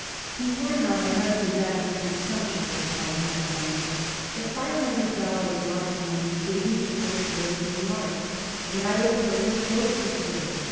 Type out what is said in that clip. "You heard how my husband died with consumption," replied Hanneh Breineh. "The five hundred dollars lodge money gave me the first lift in life, and I opened a little grocery store.